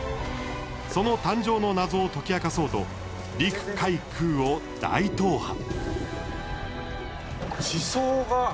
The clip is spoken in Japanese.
その誕生の謎を解き明かそうと陸海空を大踏破。